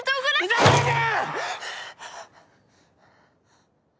ふざけんな！！